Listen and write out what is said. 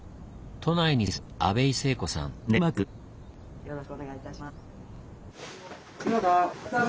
都内に住むよろしくお願いいたします。